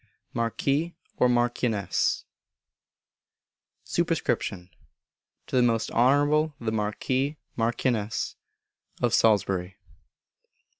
Marquis or Marchioness. Sup. To the Most Honourable the Marquis (Marchioness) of Salisbury.